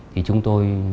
thì chúng tôi